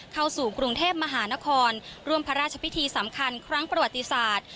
เข้าสู่กรุงเทพมหานครร่วมพระราชพิธีสำคัญครั้งประวัติศาสตร์